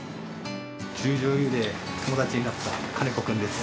十條湯で友達になった金子君です。